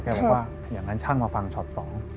แกแบบว่าอย่างนั้นชั่งมาฟังช้อนสอง